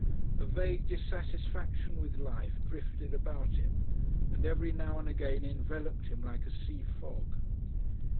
A vague dissatisfaction with life drifted about him and every now and again enveloped him like a sea fog.